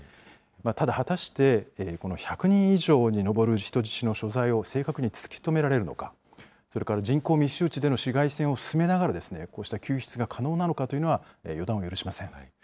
ただ、果たしてこの１００人以上に上る人質の所在を正確に突き止められるのか、それから人口密集地での市街戦を進めながら、こうした救出が可能なのかというのは予断を許しません。